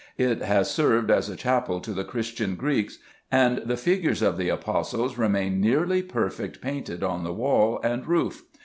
It has served as a chapel to the Christian Greeks ; and the figures of the Apostles remain nearly perfect painted on the wall and roof.